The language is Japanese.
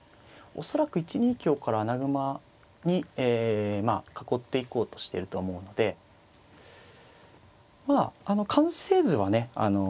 恐らく１二香から穴熊に囲っていこうとしてるとは思うのでまあ完成図はね